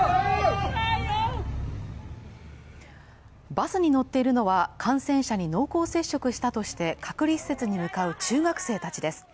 バスに乗っているのは、感染者に濃厚接触したとして隔離施設に向かう中学生たちです。